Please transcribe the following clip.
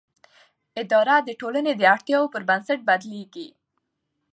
اداره د ټولنې د اړتیاوو پر بنسټ بدلېږي.